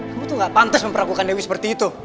kamu tuh gak pantas memperlakukan dewi seperti itu